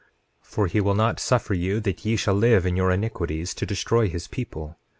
9:19 For he will not suffer you that ye shall live in your iniquities, to destroy his people.